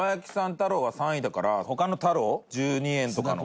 太郎が３位だから他の太郎、１２円とかの。